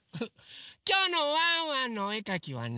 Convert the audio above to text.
きょうのワンワンのおえかきはね